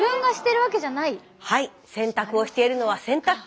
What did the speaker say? はい洗濯をしているのは洗濯機。